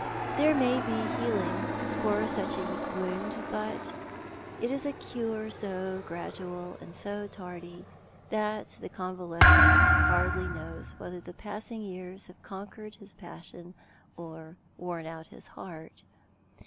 There may be healing for such a wound, but it is a cure so gradual and so tardy that the convalescent hardly knows whether the passing years have conquered his passion or worn out his heart.